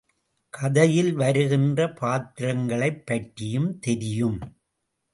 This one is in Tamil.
கதையில் வருகின்ற பாத்திரங்களைப் பற்றியும் தெரியும்.